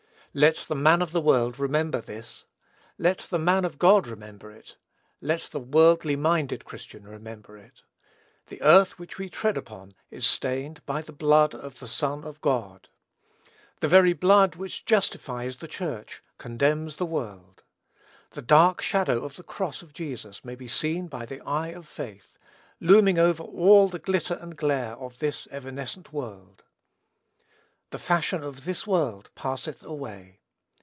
Let the man of the world remember this; let the man of God remember it; let the worldly minded Christian remember it. The earth which we tread upon is stained by the blood of the Son of God. The very blood which justifies the Church condemns the world. The dark shadow of the cross of Jesus may be seen by the eye of faith, looming over all the glitter and glare of this evanescent world. "The fashion of this world passeth away."